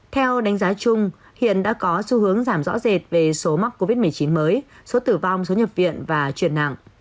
theo đánh giá chung hiện đã có xu hướng giảm rõ rệt về số mắc covid một mươi chín mới số tử vong số nhập viện và chuyển nặng